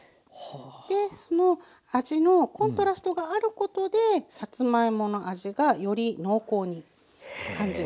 その味のコントラストがあることでさつまいもの味がより濃厚にへえ！